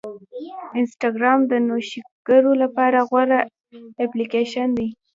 انسټاګرام د نوښتګرو لپاره غوره اپلیکیشن دی.